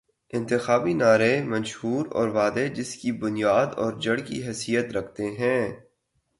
انتخابی نعرے، منشور اور وعدے، جس کی بنیاداور جڑ کی حیثیت رکھتے تھے۔